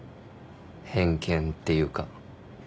偏見っていうか。